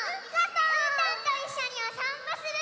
うーたんといっしょにおさんぽする！